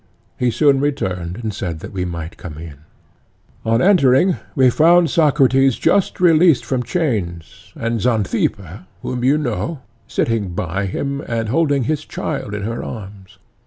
He soon returned and said that we might come in. On entering we found Socrates just released from chains, and Xanthippe, whom you know, sitting by him, and holding his child in her arms.